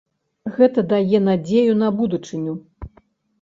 Гэта дае надзею на будучыню.